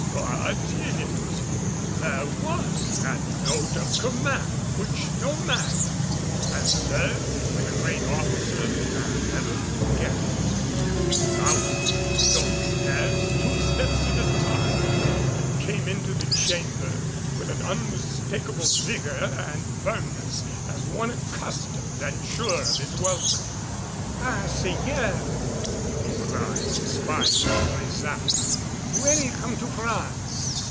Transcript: But in it there was that note of command which no man who has served with a great officer can ever forget. He bounded up the stone stairs, two steps at a time, and came into the chamber with an unmistakable vigor and firmness, as one accustomed and sure of his welcome. "Ah, seigneur," he cried, espying De Brésac. "Welcome to France!"